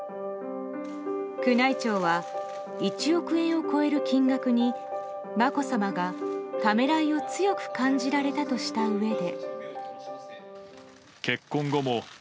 宮内庁は、１億円を超える金額にまこさまが、ためらいを強く感じられたとしたうえで。